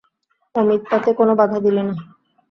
অমিত তাতে কোনো বাধা দিলে না।